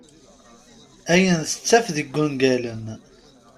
Ayen tettaf deg ungalen.